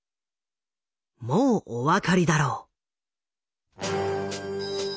もうお分かりだろう。